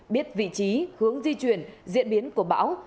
biết vị trí hướng di chuyển diễn biến của bão